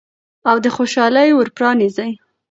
او د خوشحالۍ ور پرانیزئ.